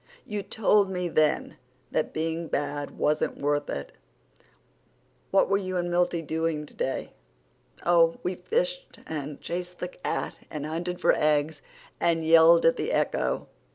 You told me then that being bad wasn't worth while. What were you and Milty doing today?" "Oh, we fished and chased the cat, and hunted for eggs, and yelled at the echo.